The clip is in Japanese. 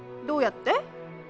どうやって？